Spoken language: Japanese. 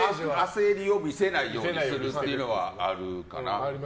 焦りを見せないようにするっていうのはあるかな。